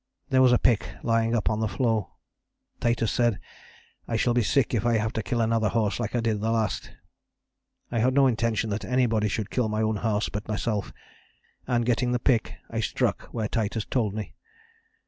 There was a pick lying up on the floe. Titus said: 'I shall be sick if I have to kill another horse like I did the last.' I had no intention that anybody should kill my own horse but myself, and getting the pick I struck where Titus told me.